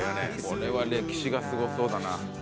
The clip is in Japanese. これは歴史がすごそうだな。